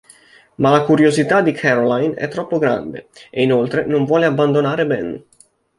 Ma la curiosità di Caroline è troppo grande, e inoltre non vuole abbandonare Ben.